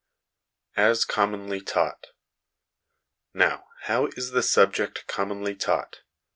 As commonly Taught. Now, how is the sub ject commonly taught?